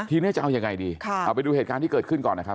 ทีนี้จะเอายังไงดีเอาไปดูเหตุการณ์ที่เกิดขึ้นก่อนนะครับ